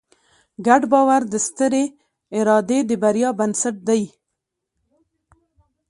ګډ باور د سترې ادارې د بریا بنسټ دی.